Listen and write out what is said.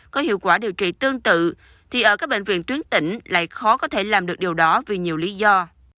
có hiệu quả điều trị tương tự thì ở các bệnh viện tuyến tỉnh lại khó có thể làm được điều đó vì nhiều lý do